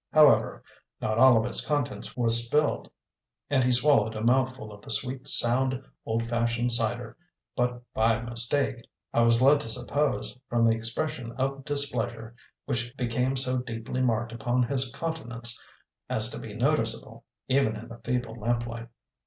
However, not all of its contents was spilled, and he swallowed a mouthful of the sweet, sound, old fashioned cider but by mistake, I was led to suppose, from the expression of displeasure which became so deeply marked upon his countenance as to be noticeable, even in the feeble lamplight.